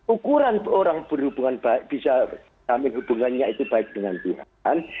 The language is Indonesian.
ukuran orang berhubungan baik bisa kami hubungannya itu baik dengan tuhan